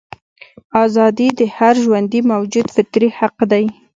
ازادي د هر ژوندي موجود فطري حق دی.